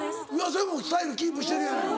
でもスタイルキープしてるやない。